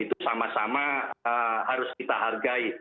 itu sama sama harus kita hargai